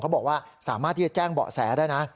บอกว่าสามารถที่จะแจ้งเบาะแสได้นะ